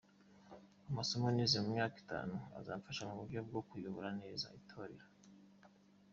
Amasomo nize mu myaka itanu azamfasha mu buryo bwo kuyobora.neza itorero.